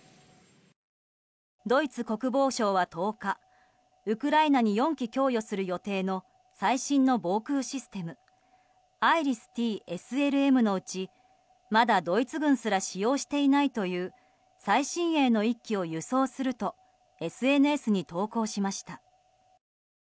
ドイツ国防省は１０日ウクライナに４基供与する予定の最新の防空システム「ＩＲＩＳ‐ＴＳＬＭ」のうちまだドイツ軍すら使用していないという最新鋭の１基を輸送するとＳＮＳに投稿しました。